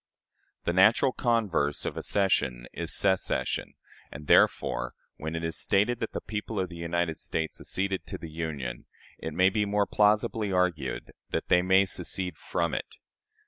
The natural converse of accession is secession; and therefore, when it is stated that the people of the States acceded to the Union, it may be more plausibly argued that they may secede from it.